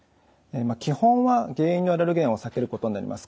基本は原因のアレルゲンを避けることになります。